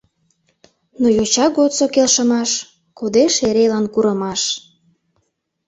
Но йоча годсо келшымаш Кодеш эрелан курымаш.